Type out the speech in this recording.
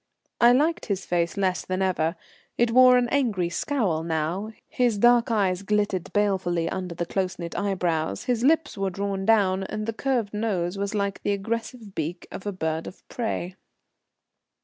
I liked his face less than ever. It wore an angry scowl now; his dark eyes glittered balefully under the close knit eyebrows, his lips were drawn down, and the curved nose was like the aggressive beak of a bird of prey.